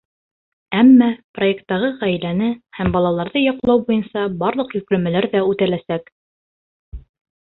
Әммә проекттағы ғаиләне һәм балаларҙы яҡлау буйынса барлыҡ йөкләмәләр ҙә үтәләсәк.